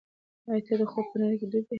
ایا ته د خوب په نړۍ کې ډوب یې؟